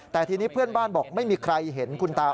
แต่ทีนี้เพื่อนบ้านบอกไม่มีใครเห็นคุณตา